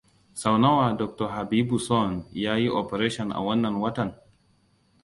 Sau nawa Dr. Habibuson ya yi operation a wannan watan?